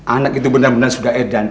anak itu benar benar sudah edan